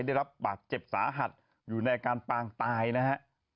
ได้รับบาดเจ็บสาหัสอยู่ในอาการปางตายนะฮะ